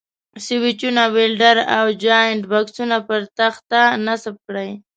سویچونه، ولډر او جاینټ بکسونه پر تخته نصب کړئ.